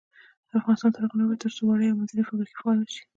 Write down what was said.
افغانستان تر هغو نه ابادیږي، ترڅو وړې او منځنۍ فابریکې فعالې نشي.